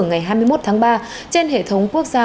ngày hai mươi một tháng ba trên hệ thống quốc gia